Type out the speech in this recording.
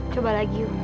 coba lagi yuk